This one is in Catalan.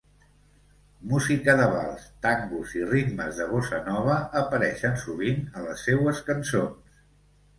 Música de vals, tangos i ritmes de Bossa-Nova apareixen sovint a les seues cançons.